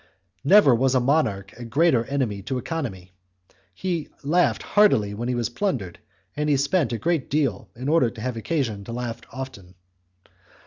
Never was a monarch a greater enemy to economy; he laughed heartily when he was plundered and he spent a great deal in order to have occasion to laugh often.